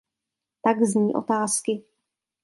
Tak zní otázky.